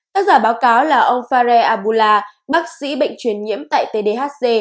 tác giả báo cáo là ông fahre aboula bác sĩ bệnh truyền nhiễm tại tdhc